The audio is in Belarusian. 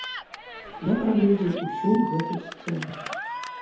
Я прагледзеў усю гэту сцэну.